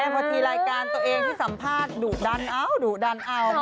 บางทีรายการตัวเองที่สัมภาษณ์ดุดันเอาดุดันเอา